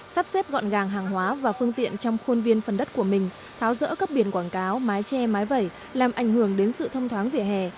sắp xếp gọn gàng hàng hóa và phương tiện trong khuôn viên phần đất của mình tháo rỡ các biển quảng cáo mái tre mái vẩy làm ảnh hưởng đến sự thông thoáng vỉa hè